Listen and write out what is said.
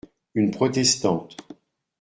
Une protestante.